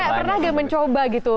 saya pernah gak mencoba gitu